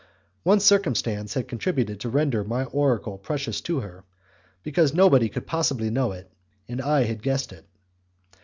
One circumstance had contributed to render my oracle precious to her, because nobody could possibly know it, and I had guessed it.